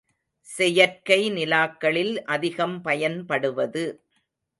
செயற்கை நிலாக்களில் அதிகம் பயன்படுவது.